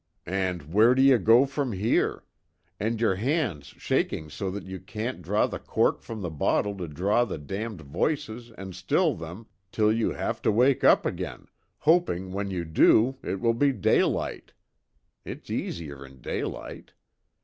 And where do you go from here? And your hands shaking so that you can't draw the cork from the bottle to drown the damned voices and still them till you have to wake up again, hoping when you do it will be daylight it's easier in daylight.